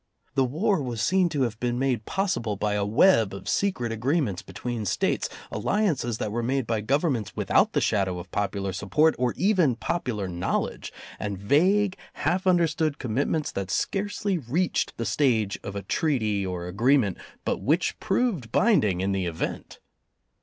The war was seen to have been made possible by a web of secret agreements between States, alliances that were made by Gov ernments without the shadow of popular support or even popular knowledge, and vague, half under stood commitments that scarcely reached the stage of a treaty or agreement, but which proved bind ing in the event.